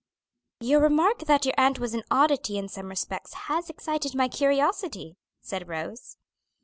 "Your remark that your aunt was an oddity in some respects has excited my curiosity," said Rose.